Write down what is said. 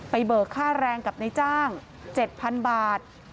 เบิกค่าแรงกับในจ้าง๗๐๐บาท